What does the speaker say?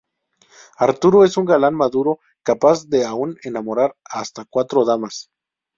Arturo es un galán maduro capaz aun de enamorar a hasta cuatro damas.